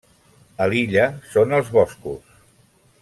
A l'illa són els boscos.